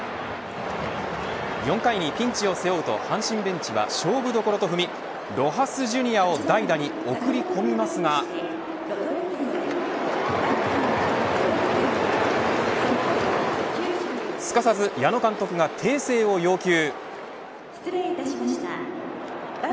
４回にピンチを背負うと阪神ベンチは勝負どころとふみロハス・ジュニアを代打に送り込みますがすかさず矢野監督が訂正を要求。